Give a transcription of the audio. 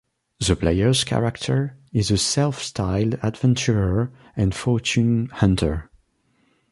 The player's character is a self-styled adventurer and fortune hunter.